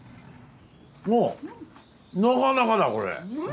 おうなかなかだこれ。